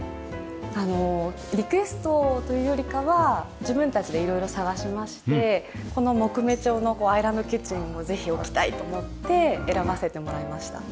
あのリクエストというよりかは自分たちで色々探しましてこの木目調のアイランドキッチンをぜひ置きたいと思って選ばせてもらいました。